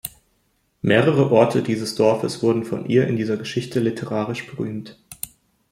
Mehrere Orte dieses Dorfes wurden von ihr in dieser Geschichte literarisch berühmt.